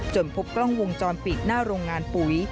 พบกล้องวงจรปิดหน้าโรงงานปุ๋ย